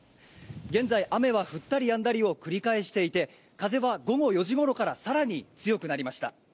現在、雨は降ったりやんだりを繰り返していて、風は午後４時ごろから、さらに強くなりました。